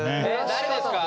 誰ですか？